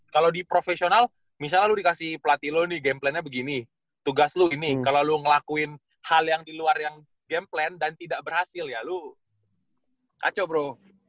kalau di profesional misalnya lo dikasih pelatih lo nih game plannya begini tugas lo ini kalau lo ngelakuin hal yang di luar yang game plan dan tidak berhasil ya lu kacau bro